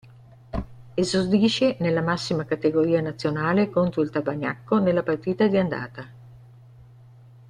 Esordisce nella massima categoria nazionale contro il Tavagnacco nella partita di andata.